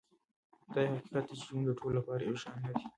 دا یو حقیقت دی چې ژوند د ټولو لپاره یو شان نه دی.